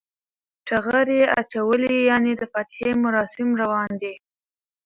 ټغر یی اچولی یعنی د فاتحی مراسم روان دی